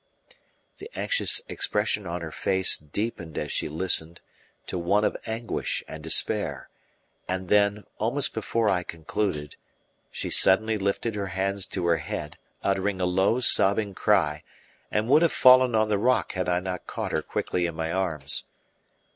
The anxious expression on her face deepened as she listened to one of anguish and despair; and then, almost before I concluded, she suddenly lifted her hands to her head, uttering a low, sobbing cry, and would have fallen on the rock had I not caught her quickly in my arms.